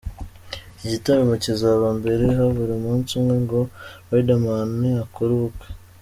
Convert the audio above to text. Iki gitaramo kizaba mbere habura umunsi umwe ngo Riderman akore ubukwe.